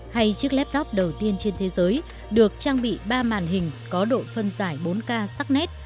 hay chiếc laptop đầu tiên trên thế giới được trang bị ba màn hình có độ phân giải bốn k sắc nét